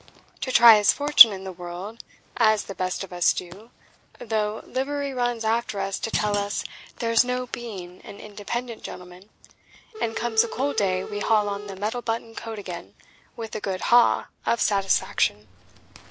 "To try his fortune in the world, as the best of us do, though livery runs after us to tell us there's no being an independent gentleman, and comes a cold day we haul on the metal button coat again, with a good ha! of satisfaction.